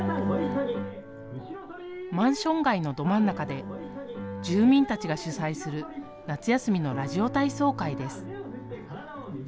マンション街のど真ん中で住民たちが主催する夏休みのラジオ体操会です。